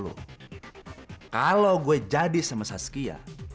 jika saya jadi dengan sazkiyah